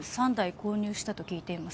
３台購入したと聞いています